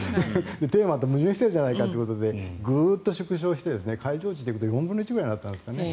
テーマと矛盾してるじゃないかということでグーッと縮小して会場地でいうと４分の１になったんですね。